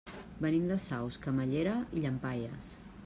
Venim de Saus, Camallera i Llampaies.